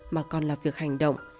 mà còn là việc hành động